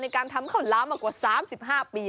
การทำข้าวล้ามากว่า๓๕ปี